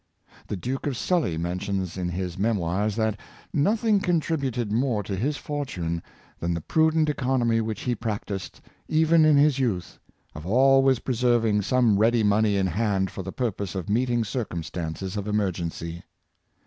The Duke of Sully mentions, in his '' Memoirs," that nothing contri buted more to his fortune than the prudent economy which he practiced, even in his youth, of always pre serving some ready money in hand for the purpose of meeting circumstances of emergency.